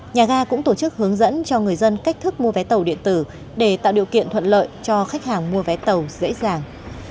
nhà ga cũng tổ chức hướng dẫn cho người dân cách thức mua vé tàu điện tử để tạo điều kiện thuận lợi cho khách hàng mua vé tàu dễ dàng